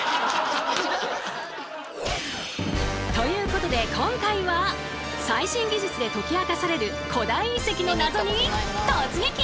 ということで今回は最新技術で解き明かされる古代遺跡の謎に突撃！